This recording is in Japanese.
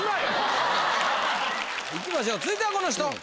いきましょう続いてはこの人！